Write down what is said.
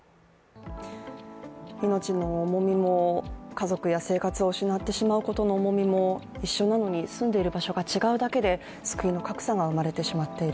命の重みも、家族や生活を失ってしまうことの重みも一緒なのに、住んでいる場所が違うだけで救いの格差が生まれてしまっている。